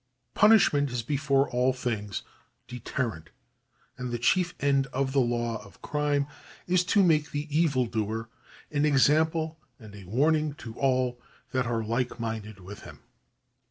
Punishment is before all things deterrent, and the chief end of the law of crime is to make the evildoer an example and a warning to all that are like minded with him.